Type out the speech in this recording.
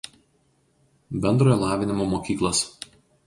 Bendrojo lavinimo mokyklos.